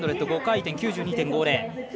５回転９２．５０。